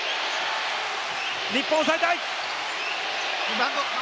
日本抑えたい。